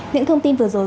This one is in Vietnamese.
những thông tin vừa rồi